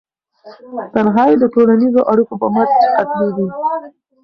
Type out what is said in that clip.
تنهایي د ټولنیزو اړیکو په مټ ختمیږي.